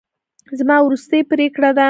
زما وروستۍ پرېکړه ده.